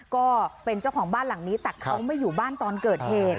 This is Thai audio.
ก็เป็นเจ้าของบ้านหลังนี้แต่เขาไม่อยู่บ้านตอนเกิดเหตุ